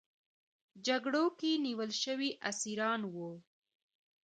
جګړو کې نیول شوي اسیران وو.